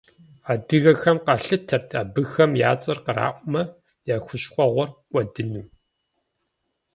Адыгэхэм къалъытэрт абыхэм я цӏэр къраӏуэмэ, я хущхъуэгъуэр кӏуэдыну.